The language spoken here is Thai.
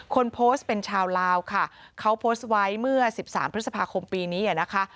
คนโพสต์เป็นชาวลาวค่ะเขาโพสต์ไว้เมื่อ๑๓พฤษภาคมปีนี้นะคะ